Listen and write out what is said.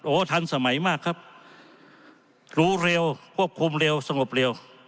โอ้โหทันสมัยมากครับรู้เร็วควบคุมเร็วสงบเร็ว